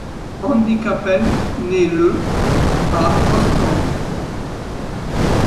Andy Cappelle naît le à Ostende.